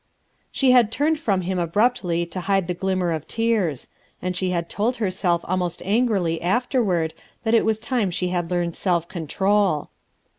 She had turned from him abruptly to hide the glimmer of tears; and she had told herself almost angrily afterward that it was time she had learned self control.